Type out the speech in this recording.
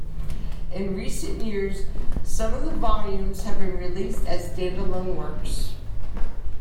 In recent years some of the volumes have been released as stand-alone works.